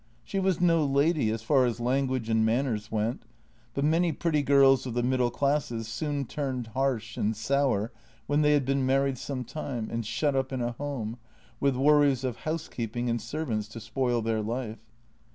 She was no lady as far as language and manners went — but many pretty girls of the middle classes soon turned harsh and sour when they had been married some time and shut up in a home, with worries of housekeeping and servants to spoil their life.